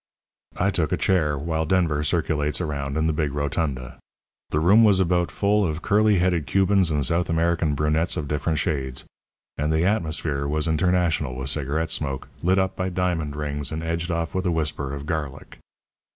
"I took a chair, while Denver circulates around in the big rotunda. The room was about full of curly headed Cubans and South American brunettes of different shades; and the atmosphere was international with cigarette smoke, lit up by diamond rings and edged off with a whisper of garlic.